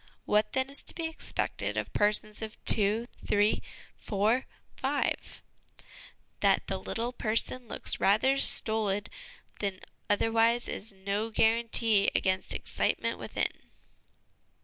What then, is to be expected of persons of two, three, four, five ? That the little person looks rather stolid than otherwise is no guarantee against excitement within.